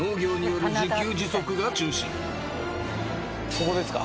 ここですか？